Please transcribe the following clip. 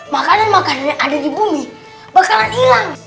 makanan makanan yang ada di bumi bakalan hilang